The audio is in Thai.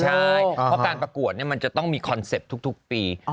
ใช่เพราะการประกวดมันจะต้องมีคอนเซ็ปต์ทุกปี